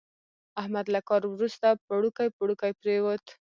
احمد له کار ورسته پړوکی پړوکی پرېوت.